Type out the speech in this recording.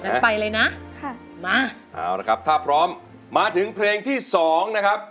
งั้นไปเลยนะค่ะมาเอาละครับถ้าพร้อมมาถึงเพลงที่สองนะครับ